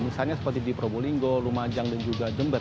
misalnya seperti di probolinggo lumajang dan juga jember